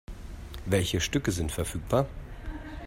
Welche Stücke sind verfügbar?